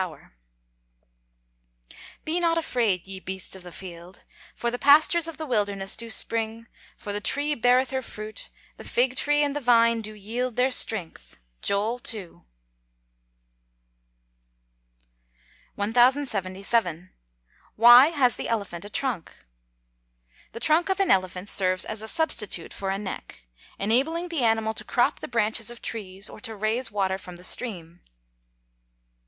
[Verse: "Be not afraid, ye beasts of the field: for the pastures of the wilderness do spring, for the tree beareth her fruit, the fig tree and the vine do yield their strength." JOEL II.] 1077. Why has the elephant a trunk? The trunk of an elephant serves as a substitute for a neck, enabling the animal to crop the branches of trees, or to raise water from the stream.